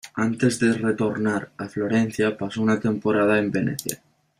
Antes de retornar a Florencia pasó una temporada en Venecia.